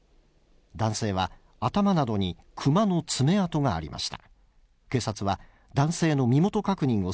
男性は頭などにクマの爪痕がありました。